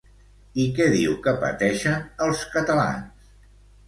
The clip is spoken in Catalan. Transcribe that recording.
I què diu que pateixen els catalans?